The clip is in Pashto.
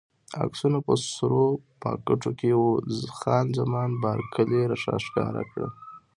عکسونه په سرو پاکټو کې وو، خان زمان بارکلي راښکاره کړل.